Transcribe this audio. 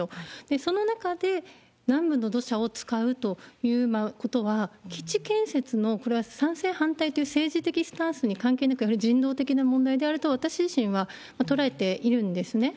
その中で、南部の土砂を使うということは、基地建設の、これは賛成、反対という政治的スタンスに関係なく、やはり人道的な問題であると、私自身は捉えているんですね。